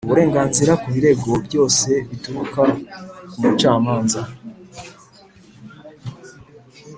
Uburenganzira ku birego byose bituruka ku mucamanza